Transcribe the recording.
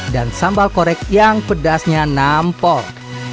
dan sambal korek yang pedasnya enam pol